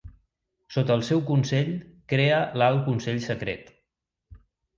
Sota el seu consell, crea l'Alt consell secret.